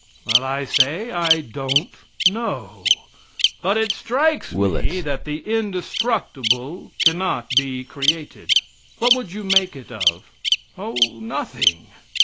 Well, I say I don't know. But it strikes me that the indestructible cannot be created. What would you make it of? "Oh, nothing!"